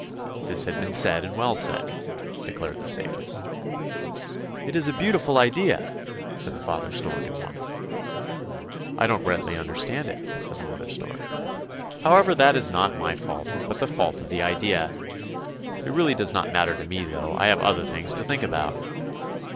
" This had been said and well said, declared the sages. " It is a beautiful idea! " said father stork at once. " I don't rightly understand it," said the mother stork ;" however that is not my fault, but the fault of the idea. It really does not matter to me though, I have other things to think about!